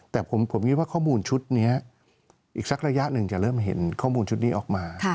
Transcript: แต่ผมคิดว่าข้อมูลชุดนี้อีกสักระยะหนึ่งจะเริ่มเห็นข้อมูลชุดนี้ออกมา